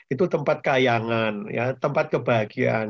itu tempat kayangan tempat kebahagiaan